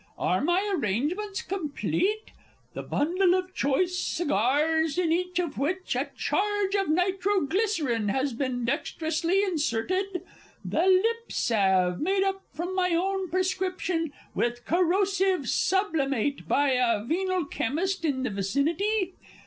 _) Are my arrangements complete? The bundle of choice cigars, in each of which a charge of nitro glycerine has been dexterously inserted? The lip salve, made up from my own prescription with corrosive sublimate by a venal chemist in the vicinity?